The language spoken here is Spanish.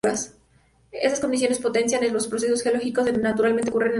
Estas condiciones potencian los procesos geológicos que naturalmente ocurren en la zona.